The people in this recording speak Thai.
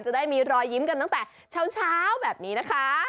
จะได้มีรอยยิ้มกันตั้งแต่เช้าแบบนี้นะคะ